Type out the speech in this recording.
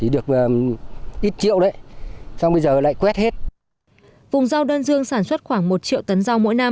do rất nhiều người sản xuất khoảng một triệu tấn rau mỗi năm